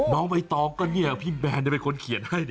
น้องใหม่ตองก็เป็นคนเขียนให้